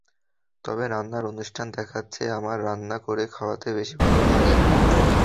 তবে রান্নার অনুষ্ঠান দেখার চেয়ে আমার রান্না করে খাওয়াতে বেশি ভালো লাগে।